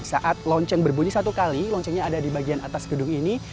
saat lonceng berbunyi satu kali loncengnya ada di bagian atas gedung ini